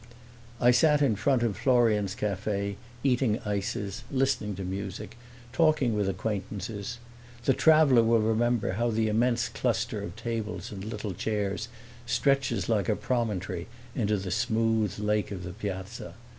I sat in front of Florian's cafe, eating ices, listening to music, talking with acquaintances: the traveler will remember how the immense cluster of tables and little chairs stretches like a promontory into the smooth lake of the Piazza.